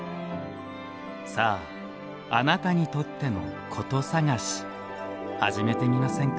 さあ、あなたにとっての古都さがしはじめてみませんか？